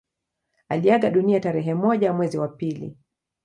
Aliaga dunia tarehe moja mwezi wa pili